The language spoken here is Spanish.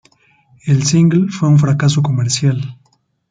El single fue un fracaso comercial.